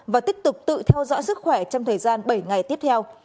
và tiếp tục tự theo dõi sức khỏe trong thời gian bảy ngày tiếp theo